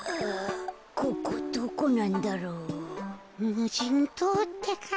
むじんとうってか。